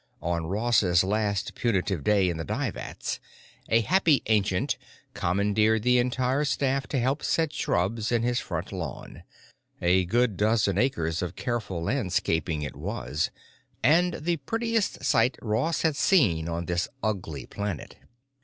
On Ross's last punitive day in the dye vats, a happy ancient commandeered the entire staff to help set shrubs in his front lawn—a good dozen acres of careful landscaping it was, and the prettiest sight Ross had seen on this ugly planet.